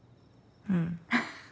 うん。